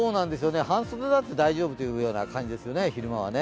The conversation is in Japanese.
半袖だって大丈夫という感じですよね、昼間は。